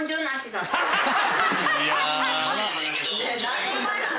何年前の話！